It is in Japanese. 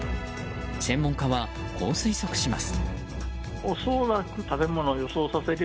専門家は、こう推測します。